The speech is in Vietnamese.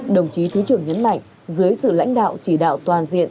đồng chí thứ trưởng nhấn mạnh dưới sự lãnh đạo chỉ đạo toàn diện